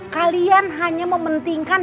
kalian hanya mementingkan